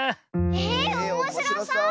えおもしろそう！